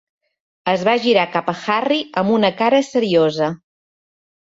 Es va girar cap a Harry amb una cara seriosa.